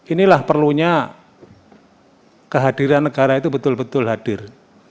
inilah perlunya kehadiran negara itu betul betul hadir